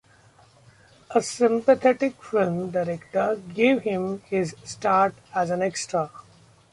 A sympathetic film director gave him his start as an extra.